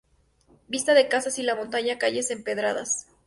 Vista de casas y la montaña, calles empedradas.